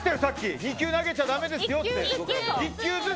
２球投げちゃ駄目ですよって。